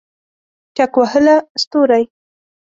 ټک وهله ستوري